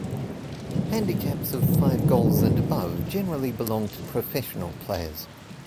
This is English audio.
Handicaps of five goals and above generally belong to professional players.